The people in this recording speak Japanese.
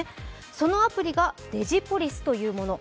そのアプリがデジポリスというもの。